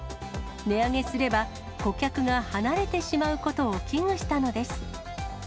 値上げすれば、顧客が離れてしまうことを危惧したのです。